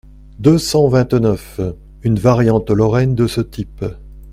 deux cent vingt-neuf), une variante lorraine de ce type.